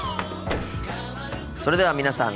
それでは皆さん